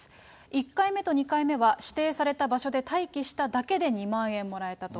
１回目と２回目は指定された場所で待機しただけで２万円もらえたと。